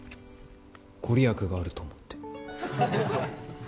ご利益があると思って。